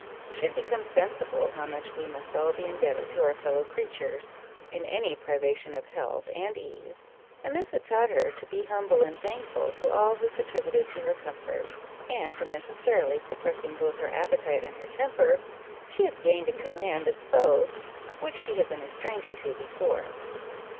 She had become sensible how much we must all be indebted to our fellow creatures, in any privation of health and ease, and this had taught her to be humble and thankful to all who contributed to her comfort; and from necessarily suppressing both her appetite and her temper, she had gained a command of both, which she had been a stranger to before.